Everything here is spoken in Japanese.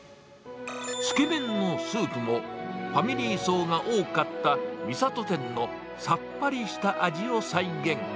つけ麺のスープも、ファミリー層が多かった三郷店のさっぱりした味を再現。